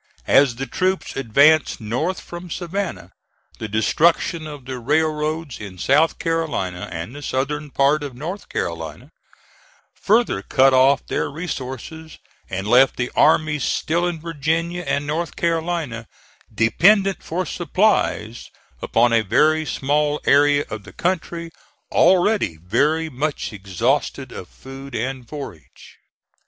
As the troops advanced north from Savannah, the destruction of the railroads in South Carolina and the southern part of North Carolina, further cut off their resources and left the armies still in Virginia and North Carolina dependent for supplies upon a very small area of country, already very much exhausted of food and forage.